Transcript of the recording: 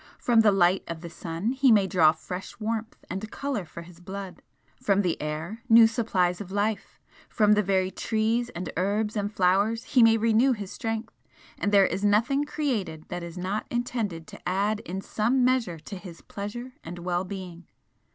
From the light of the sun he may draw fresh warmth and colour for his blood from the air new supplies of life from the very trees and herbs and flowers he may renew his strength, and there is nothing created that is not intended to add in some measure to his pleasure and well being.